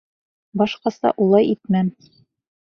Башҡаса улай итмәм.